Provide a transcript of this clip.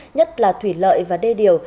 nhất là thủy lợi và đê điều